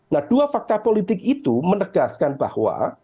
nah dua fakta politik itu menegaskan bahwa